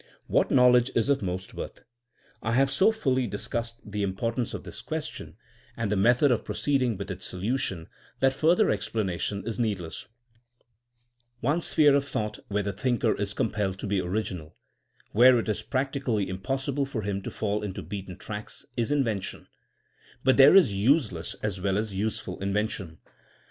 What knowledge is of most worth? I have so fully discussed the importance of this ques 220 THINKINa A8 A 8CIEN0E tion and the method of proceeding with its solu tion that further explanation is needless. One sphere of thought where the thinker is compelled to be original ; where it is practically impossible for him to fall into beaten tracks, is invention. But there is useless as well as use ful invention.